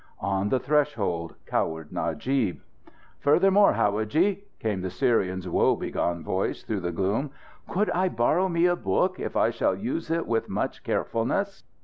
On the threshold cowered Najib. "Furthermore, howadji," came the Syrian's woe begone voice through the gloom, "could I borrow me a book if I shall use it with much carefulness?"